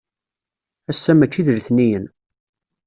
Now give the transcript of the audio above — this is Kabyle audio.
Ass-a maci d letniyen.